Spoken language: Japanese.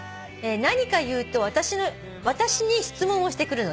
「何かいうと私に質問をしてくるのです」